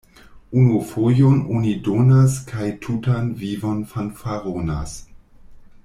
Unu fojon oni donas kaj tutan vivon fanfaronas.